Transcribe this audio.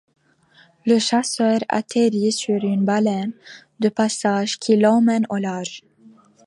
Le chasseur atterrit sur une baleine de passage, qui l'emmène au large.